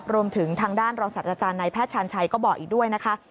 รวมถึงทางด้านรองศัตว์อาจารย์ในแพทย์ชาญชัยก็บอกอีกด้วยนะคะ